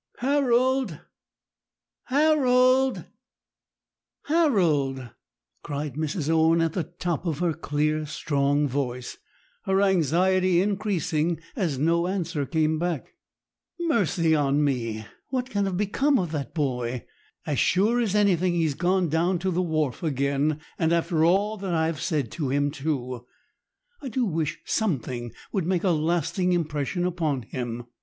* "Harold, Harold, Harold!" cried Mrs. Owen, at the top of her clear, strong voice, her anxiety increasing as no answer came back. "Mercy on me! what can have become of that boy? As sure as anything, he has gone down to the wharf again—and after all that I have said to him too. I do wish something would make a lasting impression upon him."